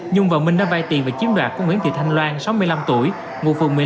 nhung và minh đã vay tiền và chiếm đoạt của nguyễn thị thanh loan sáu mươi năm tuổi ngụ phường một mươi năm